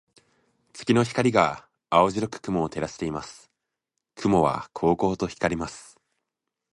月の光が青白く雲を照らしています。雲はこうこうと光ります。